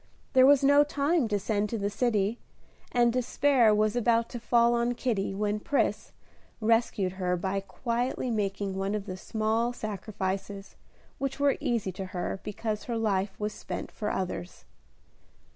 There was no time to send to the city, and despair was about to fall on Kitty, when Pris rescued her by quietly making one of the small sacrifices which were easy to her because her life was spent for others.